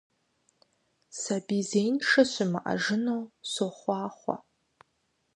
Сабий зеиншэ щымыӀэжыну сохъуахъуэ!